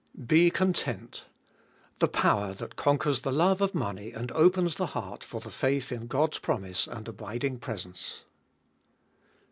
3. Be content: the power that conquers the love of money, and opens the heart for the faith in God's promise and abiding presence.